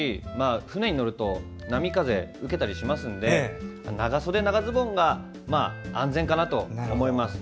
船に乗ると波風を受けたりしますので長袖・長ズボンが安全かなと思います。